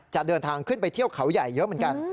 จะเดินทางขึ้นไปเที่ยวเขาใหญ่เยอะเหมือนกัน